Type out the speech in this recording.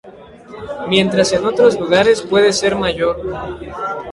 Mientras en otros lugares puede ser mayor.